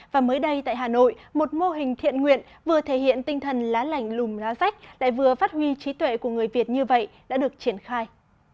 và mới đây tại hà nội một mô hình thiện nguyện vừa thể hiện tinh thần lá lảnh lùm lá rách lại vừa phát huy trí tuệ của người việt như vậy đã được triển khai